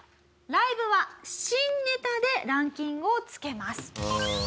ライブは新ネタでランキングをつけます。